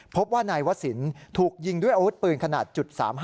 พบว่านายวศิลป์ถูกยิงด้วยอาวุธปืนขนาด๓๕